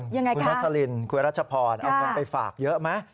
ทุกคนคุณนัทสลินคุณนัทรัชพรเอาเงินไปฝากเยอะไหม